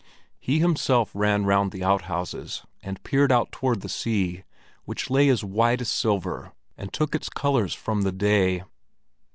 He himself ran round the out houses and peered out toward the sea which lay as white as silver and took its colors from the day.